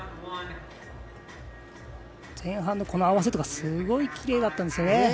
前半の合わせとかきれいだったんですよね。